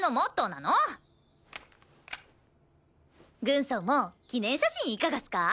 軍曹も記念写真いかがっすか？